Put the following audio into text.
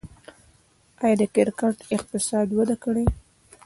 آیا د کرکټ اقتصاد وده کړې؟